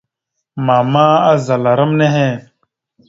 Mama azala ram nehe.